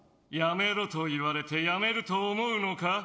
やめろと言われてやめると思うのか？